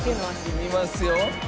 見ますよ。